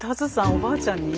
おばあちゃんに？